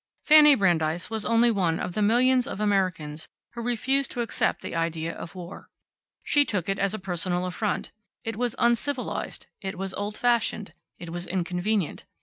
Fanny Brandeis was only one of the millions of Americans who refused to accept the idea of war. She took it as a personal affront. It was uncivilized, it was old fashioned, it was inconvenient.